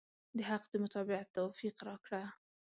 د حق د متابعت توفيق راکړه.